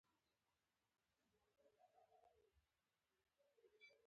• په یو تونل کې ږغ انعکاس مومي.